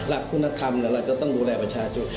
หลักคุณธรรมเราจะต้องดูแลประชาชน